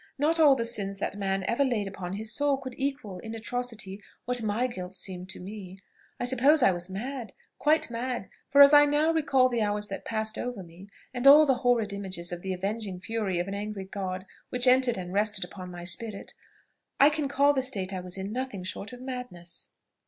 Not all the sins that man ever laid upon his soul could equal in atrocity what my guilt seemed to me. I suppose I was mad, quite mad; for as I now recall the hours that passed over me, and all the horrid images of the avenging fury of an angry God which entered and rested upon my spirit, I can call the state I was in nothing short of madness.